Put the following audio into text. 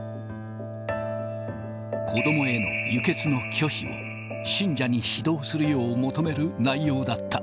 子どもへの輸血の拒否を信者に指導するよう求める内容だった。